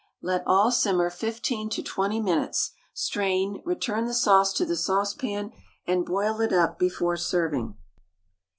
Let all simmer 15 to 20 minutes; strain, return the sauce to the saucepan, and boil it up before serving.